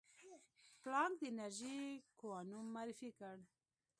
پلانک د انرژي کوانوم معرفي کړ.